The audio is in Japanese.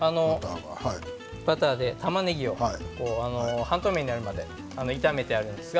バターでたまねぎが半透明になるまで炒めてあります。